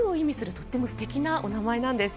とても素敵なお名前なんです。